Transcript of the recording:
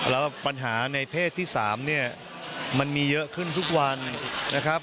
แล้วปัญหาในเพศที่๓เนี่ยมันมีเยอะขึ้นทุกวันนะครับ